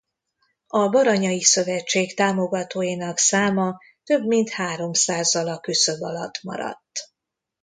A Baranyai Szövetség támogatóinak száma több mint háromszázzal a küszöb alatt maradt.